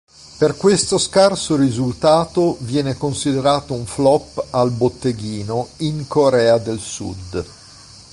Per questo scarso risultato viene considerato un flop al botteghino in Corea del Sud.